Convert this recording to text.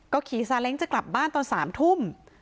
ขี่ซาเล้งจะกลับบ้านตอน๓ทุ่ม